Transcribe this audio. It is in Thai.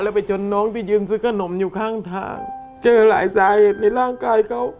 แล้วไปจนน้องที่ยืนซื้อขนมอยู่ข้างทางเจอหลายสาเหตุในร่างกายเขา